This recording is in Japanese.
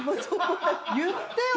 言ってよ！